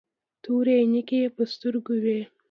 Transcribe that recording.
تورې عينکې يې په سترګو وې.